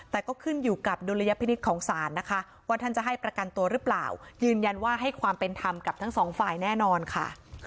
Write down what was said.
แต่ก็ขึ้นอยู่กับดุลยพินิษฐ์ของศาลนะคะว่าท่านจะให้ประกันตัวหรือเปล่ายืนยันว่าให้ความเป็นธรรมกับทั้งสองฝ่ายแน่นอนค่ะ